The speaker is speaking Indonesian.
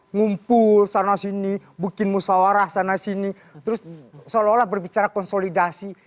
ngumpul sana sini bikin musawarah sana sini terus seolah olah berbicara konsolidasi